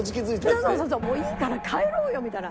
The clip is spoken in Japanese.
そうそうそうそう「いいから帰ろうよ」みたいな